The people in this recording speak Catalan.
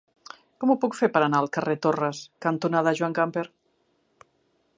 Com ho puc fer per anar al carrer Torres cantonada Joan Gamper?